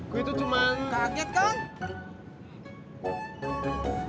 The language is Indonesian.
gue itu cuma kaget kan